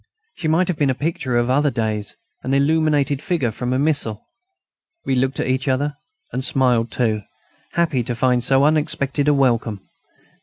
She might have been a picture of other days, an illuminated figure from a missal. We looked at each other and smiled too, happy to find so unexpected a welcome.